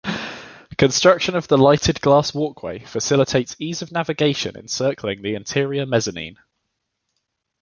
Construction of the lighted glass walkway facilitates ease of navigation encircling the interior mezzanine.